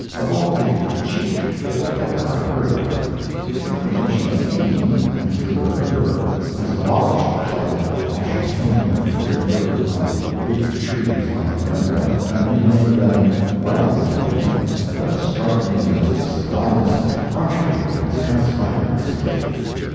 Of all the "cheek" that ever I heard of, the information that England (and through her, Europe,) has abolished the title "Washingtonia," conferred upon the Big Trees by America, and renamed them "Wellingtonia," does strike me as the sublimest effrontery that has transpired recently.